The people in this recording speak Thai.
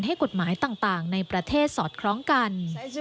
ให้กฎหมายต่างในประเทศสอดคล้องกัน